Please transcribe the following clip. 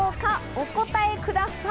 お答えください。